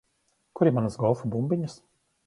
Kur ir manas golfa bumbiņas?